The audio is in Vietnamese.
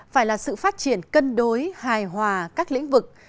phải là sự phát triển cân đối hài hòa các lĩnh vực